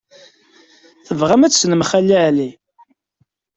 Tebɣamt ad tessnemt Xali Ɛli?